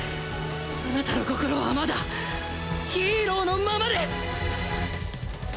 あなたの心はまだヒーローのままです！